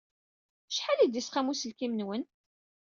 Acḥal ay d-yesqam uselkim-nwen?